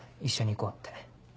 一緒に行こうって。